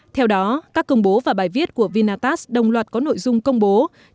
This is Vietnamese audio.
theo đó các công bố và bài viết của vinatast đồng loạt có nội dung công bố